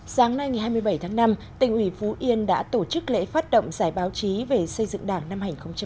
sáng nay ngày hai mươi bảy tháng năm tỉnh ủy phú yên đã tổ chức lễ phát động giải báo chí về xây dựng đảng năm hai nghìn một mươi chín